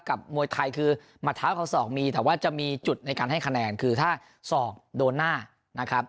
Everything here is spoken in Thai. มวยไทยคือมัดเท้าเขาศอกมีแต่ว่าจะมีจุดในการให้คะแนนคือถ้าศอกโดนหน้านะครับ